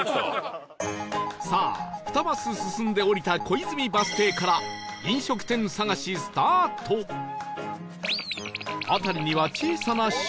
さあ２マス進んで降りた小泉バス停から飲食店探しスタート辺りには小さな集落